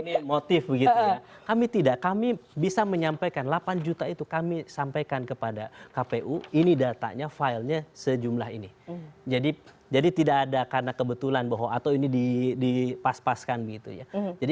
ini motif begitu ya kami tidak kami bisa menyampaikan delapan juta itu kami sampaikan kepada kpu ini datanya filenya sejumlah ini jadi tidak ada karena kebetulan bahwa atau ini dipas paskan gitu ya jadi